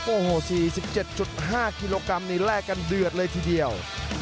โอ้โห๔๗๕กิโลกรัมนี่แลกกันเดือดเลยทีเดียว